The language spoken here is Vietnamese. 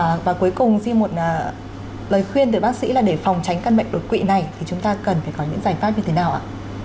và cuối cùng xin một lời khuyên từ bác sĩ là để phòng tránh căn bệnh đột quỵ này thì chúng ta cần phải có những giải pháp như thế nào ạ